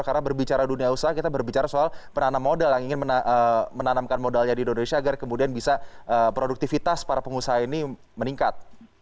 karena berbicara dunia usaha kita berbicara soal penanam modal yang ingin menanamkan modalnya di indonesia agar kemudian bisa produktivitas para pengusaha ini meningkat